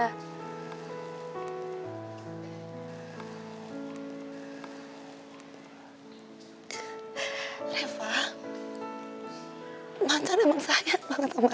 makanya karena reva sayang sama macan reva mau bantu tante